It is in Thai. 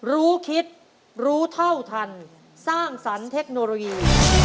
รู้คิดรู้เท่าทันสร้างสรรคโนโลยี